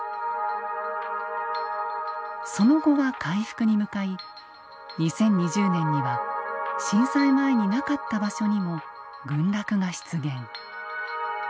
その後は回復に向かい２０２０年には震災前になかった場所にも群落が出現。